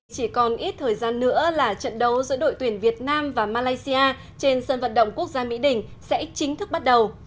chỉ còn ít thời gian nữa là trận đấu giữa đội tuyển việt nam và malaysia trên sân vận động quốc gia mỹ đình sẽ chính thức bắt đầu